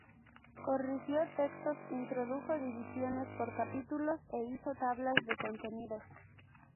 Corrigió textos, introdujo divisiones por capítulos e hizo tablas de contenidos.